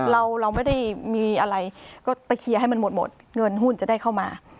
เราไม่ได้มีอะไรก็ไปเคลียร์ให้มันหมดหมดเงินหุ้นจะได้เข้ามา